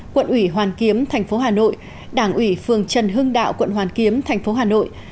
quận ủy hoàn kiếm thành phố hà nội đảng ủy phường trần hưng đạo quận hoàn kiếm thành phố hà nội